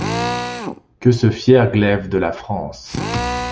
Que ce fier glaive de la France